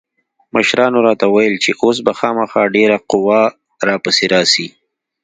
مشرانو راته وويل چې اوس به خامخا ډېره قوا را پسې راسي.